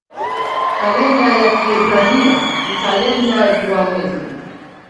Kalenda ya Kiebrania ni kalenda jua-mwezi.